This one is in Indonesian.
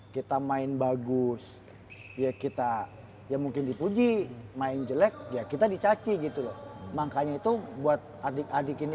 kita main bagus ya kita ya mungkin dipuji main jelek ya kita dicaci gitu loh makanya itu buat adik adik ini